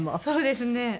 そうですね。